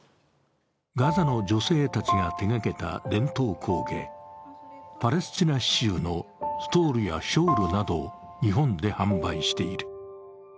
ガザの女性たちが手がけた伝統工芸パレスチナ刺しゅうのストールやショールなどを日本で販売している。